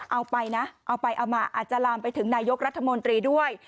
เอาไปนะเอาไปเอามาอาจจะลามไปถึงนายกรัฐมนตรีด้วย